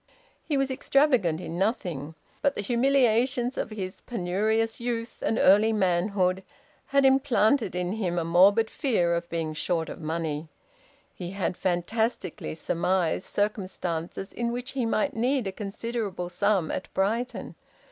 He was extravagant in nothing, but the humiliations of his penurious youth and early manhood had implanted in him a morbid fear of being short of money. He had fantastically surmised circumstances in which he might need a considerable sum at Brighton.